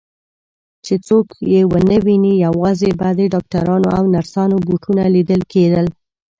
چې څوک یې ونه ویني، یوازې به د ډاکټرانو او نرسانو بوټونه لیدل کېدل.